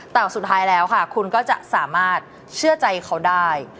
แต่สุดท้ายแล้วค่ะคุณก็จะสามารถเชื่อใจเขาได้